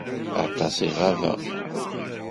Aṭas i ɣabeɣ.